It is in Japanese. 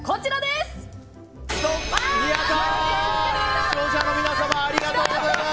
視聴者の皆様ありがとうございます！